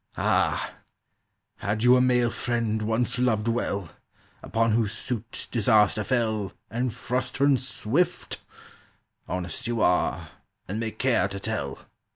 "Ah—had you a male friend once loved well, Upon whose suit disaster fell And frustrance swift? Honest you are, and may care to tell."